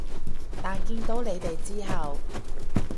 但見到你哋之後